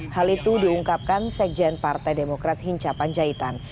hal itu diungkapkan sekjen partai demokrat hinca panjaitan